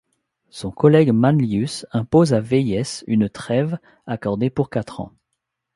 Son collègue Manlius impose à Véies une trêve, accordée pour quarante ans.